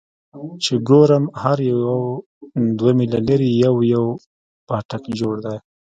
چې ګورم هر يو دوه ميله لرې يو يو پاټک جوړ دى.